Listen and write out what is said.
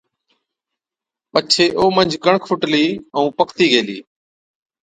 پڇي او منجھ ڪڻڪ ڦُٽلِي ائُون پڪتِي گيلِي۔